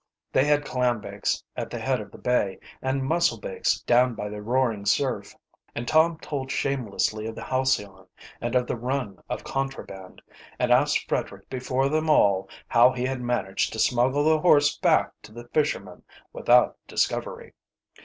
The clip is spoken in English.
They had clambakes at the head of the bay and musselbakes down by the roaring surf; and Tom told shamelessly of the Halcyon, and of the run of contraband, and asked Frederick before them all how he had managed to smuggle the horse back to the fishermen without discovery.